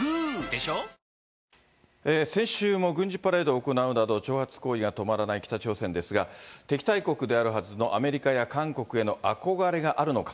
明治おいしい牛乳挑発行為が止まらない北朝鮮ですが、敵対国であるはずのアメリカや韓国への憧れがあるのか。